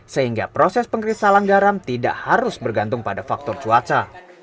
sehingga proses pengkrissalan garam tidak harus bergantung pada faktor cuaca